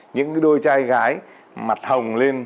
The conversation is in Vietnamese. những đôi trai gái mặt hồng lên